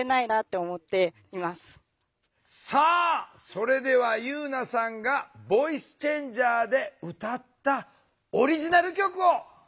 それでは夕菜さんがボイスチェンジャーで歌ったオリジナル曲をお聴き下さい。